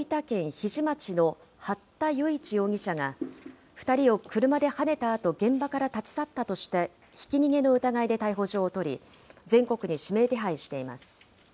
日出町の八田與一容疑者が２人を車ではねたあと、現場から立ち去ったとしてひき逃げの疑いで逮捕状を取り、全国に指名手配しています。